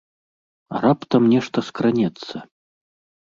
А раптам нешта скранецца?